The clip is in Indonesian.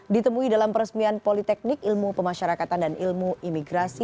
ditemui dalam peresmian politeknik ilmu pemasyarakatan dan ilmu imigrasi